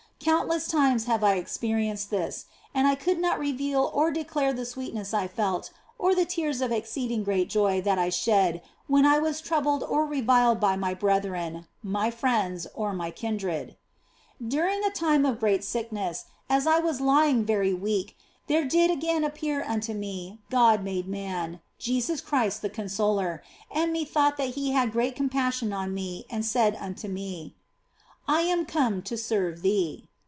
Countless times have I experienced this, and I could not reveal or declare the sweetness I felt or the tears of exceeding great joy that I shed when I was troubled or reviled by my brethren, my friends, or my kindred. During a time of great sickness, as I was lying very weak, there did again appear unto me God made Man, Jesus Christ the Consoler, and methought that He had great compassion on me and said unto me :" I am come to serve thee."